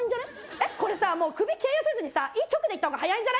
えっこれさもう首経由せずにさ胃直で行った方が早いんじゃね？